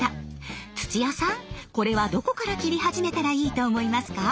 土屋さんこれはどこから切り始めたらいいと思いますか？